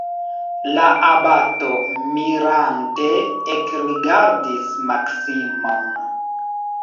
La abato mirante ekrigardis Maksimon.